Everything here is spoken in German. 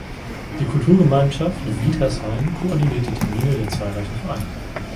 Die Kulturgemeinschaft Wietersheim koordiniert die Termine der zahlreichen Vereine.